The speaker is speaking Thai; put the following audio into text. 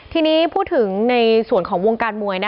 ทีนี้พูดถึงในส่วนของวงการมวย